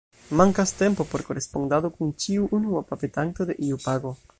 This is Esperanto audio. Mankas tempo por korespondado kun ĉiu unuopa petanto de iu pago.